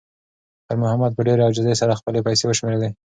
خیر محمد په ډېرې عاجزۍ سره خپلې پیسې وشمېرلې.